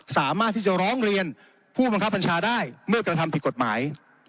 สามารถที่จะร้องเรียนผู้บังคับบัญชาได้เมื่อกระทำผิดกฎหมาย